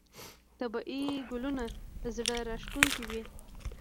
طبیعي ګلونه زړه راښکونکي وي.